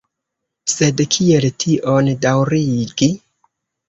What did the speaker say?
Sed kiel tion daŭrigi?